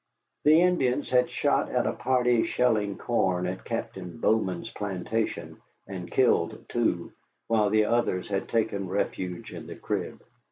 The Indians had shot at a party shelling corn at Captain Bowman's plantation, and killed two, while the others had taken refuge in the crib.